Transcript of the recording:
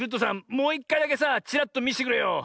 もういっかいだけさチラッとみせてくれよ。